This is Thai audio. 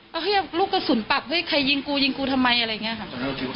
แล้วก็คิดว่าลูกกระสุนปับเฮ้ยใครยิงกูยิงกูทำไมอะไรอย่างเงี้ยค่ะ